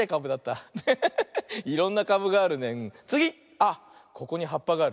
あっここにはっぱがある。